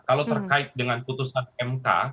kalau terkait dengan putusan mk